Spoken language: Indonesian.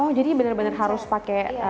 oh jadi benar benar harus pakai